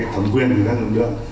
thẩm quyền của các lực lượng